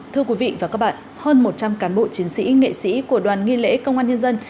thưa quý vị và các bạn hơn một trăm linh cán bộ chiến sĩ nghệ sĩ của đoàn nghi lễ công an nhân dân